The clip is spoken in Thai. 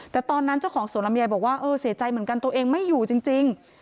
แต่ตอนนั้นเจ้าของสวนลำไยบอกว่าเออเสียใจเหมือนกันตัวเองไม่อยู่จริง